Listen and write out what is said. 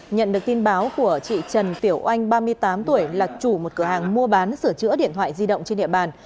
nhận được tin báo của chị trần tiểu oanh ba mươi tám tuổi là chủ một cửa hàng mua bán sửa chữa điện thoại di động trên địa bàn